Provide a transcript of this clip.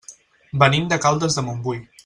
Venim de Caldes de Montbui.